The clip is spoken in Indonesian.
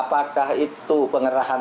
apakah itu penghalangan